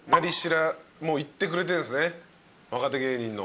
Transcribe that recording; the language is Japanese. もう行ってくれてんすね若手芸人の。